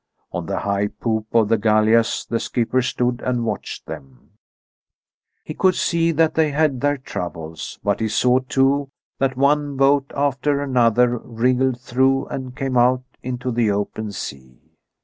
On the high poop of the gallias the skipper stood and watched them. He could see that they had their troubles, but he saw too that one boat after another wriggled through and came out into the open sea.